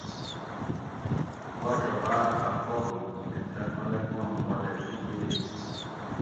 باچہ باۤر خفہ ہُو تے تن ملنگ ما مُعیفی دییئ